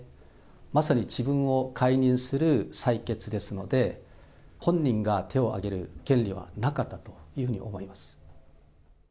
まさに自分を解任する採決ですので、本人が手を挙げる権利はなかったというふうに思います。